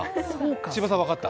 千葉さん、分かった？